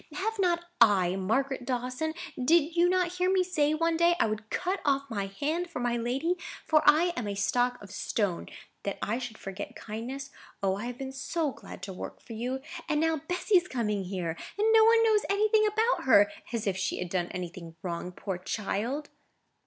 Have not I, Margaret Dawson? Did you not hear me say, one day, I would cut off my hand for my lady; for am I a stick or a stone, that I should forget kindness? O, I have been so glad to work for you. And now Bessy is coming here; and no one knows anything about her—as if she had done anything wrong, poor child!"